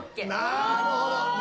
なるほど。